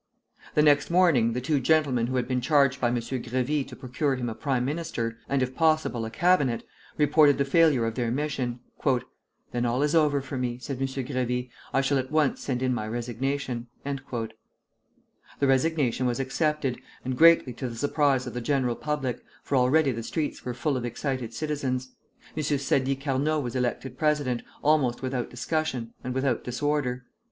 The next morning the two gentlemen who had been charged by M. Grévy to procure him a prime minister, and if possible a cabinet, reported the failure of their mission. "Then all is over for me," said M. Grévy; "I shall at once send in my resignation." The resignation was accepted, and greatly to the surprise of the general public, for already the streets were full of excited citizens, M. Sadi Carnot was elected president, almost without discussion, and without disorder.